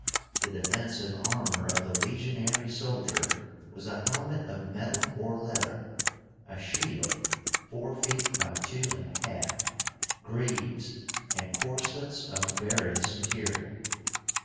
The defensive armor of the legionary soldier was a helmet of metal or leather, a shield (four feet by two and a half), greaves, and corselets of various material.